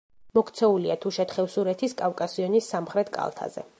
მოქცეულია თუშეთ-ხევსურეთის კავკასიონის სამხრეთ კალთაზე.